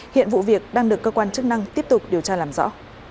hiện vụ việc đang được cơ quan chức năng tiếp tục điều tra làm rõ